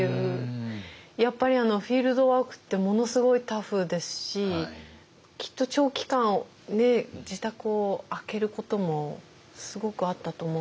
やっぱりフィールドワークってものすごいタフですしきっと長期間自宅を空けることもすごくあったと思うんですけど。